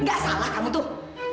enggak salah kamu tuh